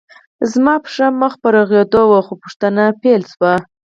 زما پښه مخ په روغېدو وه خو پوښتنې پیل شوې